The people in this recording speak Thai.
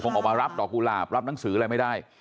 ออกมารับดอกกุหลาบรับหนังสืออะไรไม่ได้